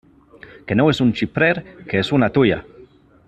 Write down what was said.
Que no és un xiprer, que és una tuia!